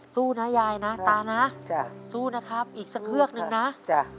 สู้นะยายนะตานะจ้ะสู้นะครับอีกสักเฮือกนึงนะจ้ะ